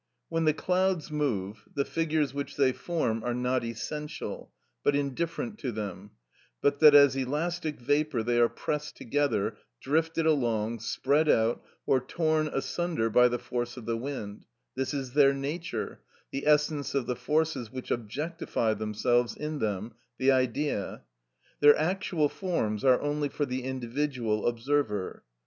When the clouds move, the figures which they form are not essential, but indifferent to them; but that as elastic vapour they are pressed together, drifted along, spread out, or torn asunder by the force of the wind: this is their nature, the essence of the forces which objectify themselves in them, the Idea; their actual forms are only for the individual observer.